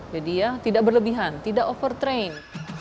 jadi ya tidak berlebihan tidak over train